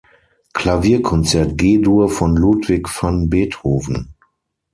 Klavierkonzert G-Dur von Ludwig van Beethoven.